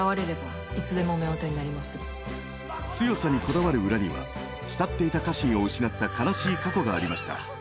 強さにこだわる裏には慕っていた家臣を失った悲しい過去がありました。